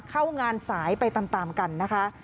เข้างานสายไปตามกันนะคะ